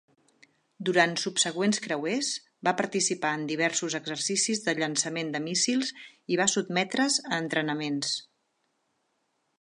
Durant subsegüents creuers, va participar en diversos exercicis de llançament de míssils i va sotmetre's a entrenaments.